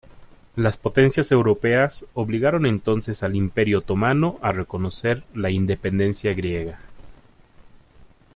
Las potencias europeas obligaron entonces al Imperio otomano a reconocer la independencia griega.